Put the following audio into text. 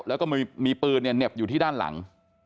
แล้วก็มีปืนเนี่ยเหน็บอยู่ที่ด้านหลัง